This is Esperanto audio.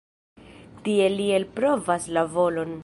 Tiel ili elprovas la volon.